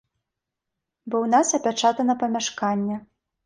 Бо ў нас апячатана памяшканне.